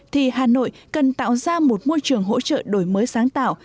thì hà nội cần tạo ra một môi trường hỗ trợ đổi mới sáng tạo